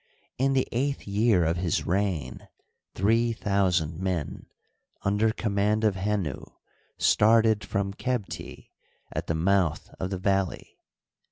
In the eighth year of his reign three thousand men, under command of Henu, started from Qebti, at the mouth of the valley.